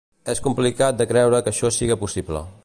És complicat de creure que això siga possible.